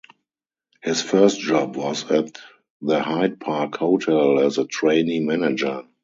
His first job was at the Hyde Park Hotel as a trainee manager.